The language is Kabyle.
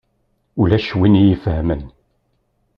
Ulac win i ifehhmen.